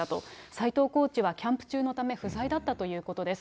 斎藤コーチはキャンプ中のため、不在だったということです。